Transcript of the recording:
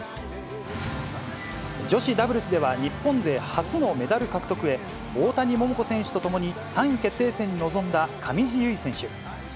女子ダブルスでは、日本勢初のメダル獲得へ、大谷桃子選手と共に３位決定戦に臨んだ上地結衣選手。